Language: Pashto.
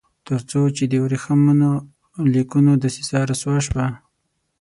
تر څو چې د ورېښمینو لیکونو دسیسه رسوا شوه.